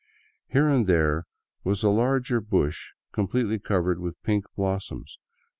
Here and there was a larger bush completely^'covered with pink blos soms.